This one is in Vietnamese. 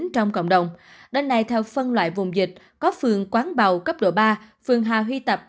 trong cộng đồng đến nay theo phân loại vùng dịch có phường quán bầu cấp độ ba phường hà huy tập